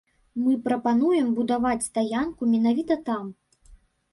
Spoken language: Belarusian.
Мы прапануем будаваць стаянку менавіта там.